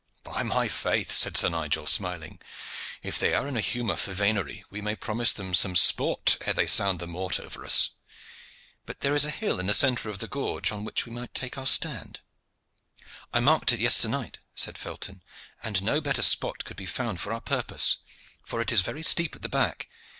"By my faith!" said Sir Nigel, smiling, "if they are in a humor for venerie we may promise them some sport ere they sound the mort over us. But there is a hill in the centre of the gorge on which we might take our stand." "I marked it yester night," said Felton, "and no better spot could be found for our purpose, for it is very steep at the back.